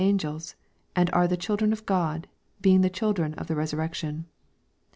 angels ; and are the children of Ood, being the children of the resurrection.